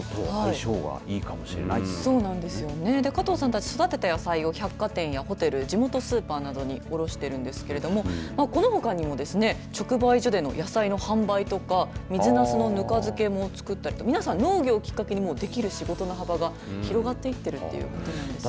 加藤さんたち育てた野菜を百貨店やホテル地元スーパーなどに卸しているんですけれどこのほかにも直売所での野菜の販売とか水なすのぬか漬けも作ったりと皆さん農業をきっかけにできる仕事の幅が広がっていっているということなんです。